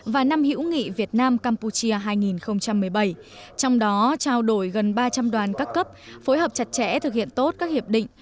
và năm hữu nghị việt nam campuchia hai nghìn một mươi bảy trong đó trao đổi gần ba trăm linh đoàn các cấp phối hợp chặt chẽ thực hiện tốt các hiệp định